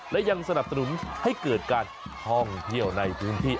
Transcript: และยังสนับสนุนให้เกิดการท่องเที่ยวในพื้นที่